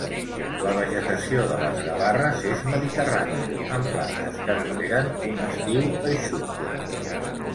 La vegetació de les Gavarres és mediterrània, amb plantes que toleren un estiu eixut.